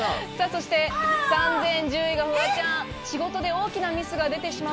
そして３０１０位がフワちゃん。